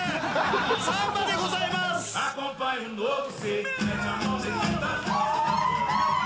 サンバでございます！フゥ！